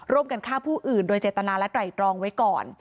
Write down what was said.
ร่วมกันฆ่าผู้อื่นโดยเจตนาและไตรตรองไว้ก่อน